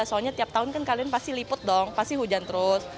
soalnya tiap tahun kan kalian pasti liput dong pasti hujan terus